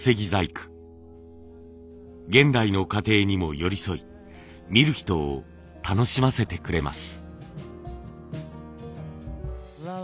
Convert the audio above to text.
現代の家庭にも寄り添い見る人を楽しませてくれます。